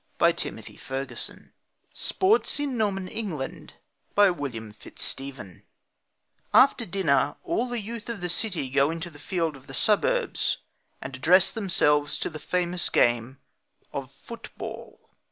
WHITTIER SPORTS IN NORMAN ENGLAND After dinner all the youth of the city go into the field of the suburbs, and address themselves to the famous game of football.